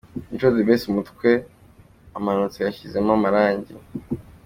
Mico The Best mu mutwe ,amanutse yashyizemo amarangi.